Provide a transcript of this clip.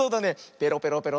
ペロペロペロ。